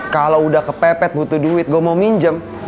kalo udah kepepet butuh duit gua mau minjem